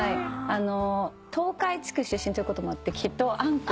東海地区出身ということもあってきっとあんこ。